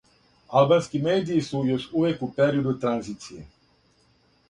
Албански медији су још увек у периоду транзиције.